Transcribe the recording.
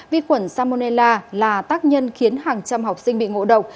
vi khuẩn salmonella là tác nhân khiến hàng trăm học sinh bị ngộ độc